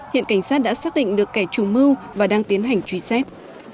hiện cảnh sát đã xác định được kẻ trù mưu và đang tiến hành truy xếp